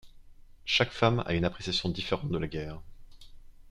Chaque femme a une appréciation différente de la guerre.